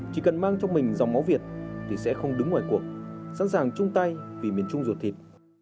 chỉ cần mang trong mình dòng máu việt thì sẽ không đứng ngoài cuộc sẵn sàng chung tay vì miền trung ruột thịt